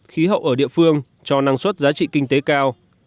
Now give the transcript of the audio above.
khí hậu ở địa phương cho năng suất giá trị kinh tế cao